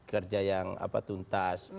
kerja yang tuntas